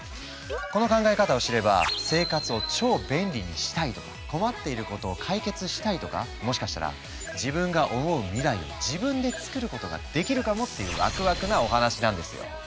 この考え方を知れば生活を超便利にしたいとか困っていることを解決したいとかもしかしたら自分が思う未来を自分でつくることができるかもっていうワクワクなお話なんですよ。